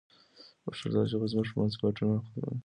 پښتو ژبه زموږ په منځ کې واټنونه ختموي.